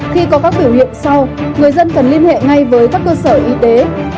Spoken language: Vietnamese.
khi có các biểu hiện sau người dân cần liên hệ ngay với các cơ sở y tế